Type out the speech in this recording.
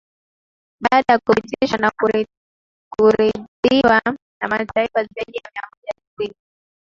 Baada ya kupitishwa na kuridhiwa na mataifa zaidi ya mia moja sitini